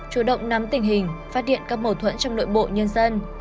chủ động nắm tình hình phát điện các mâu thuẫn trong nội bộ nhân dân